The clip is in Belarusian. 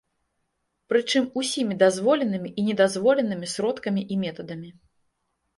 Прычым усімі дазволенымі і недазволенымі сродкамі і метадамі.